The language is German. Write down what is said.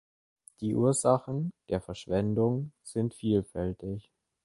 Die Ursachen der Verschwendung sind vielfältig.